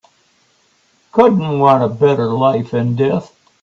Couldn't want a better life and death.